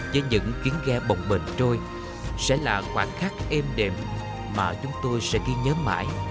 với những chuyến ghe bồng bền trôi sẽ là khoảnh khắc êm đềm mà chúng tôi sẽ ghi nhớ mãi